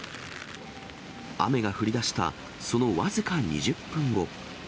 雨が降りだしたその僅か２０分後。